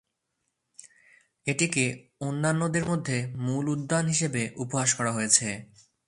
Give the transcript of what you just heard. এটিকে অন্যান্যদের মধ্যে "মূল উদ্যান" হিসাবে উপহাস করা হয়েছে।